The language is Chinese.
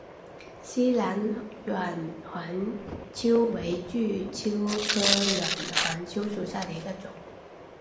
栖兰远环蚓为巨蚓科远环蚓属下的一个种。